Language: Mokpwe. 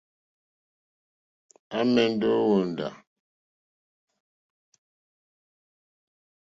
À mɛ̀ndɛ́ ô hwóndá.